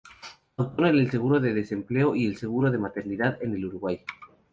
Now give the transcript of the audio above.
Autor del Seguro de Desempleo y del Seguro de Maternidad en el Uruguay.